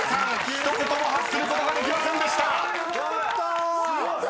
一言も発することができませんでした］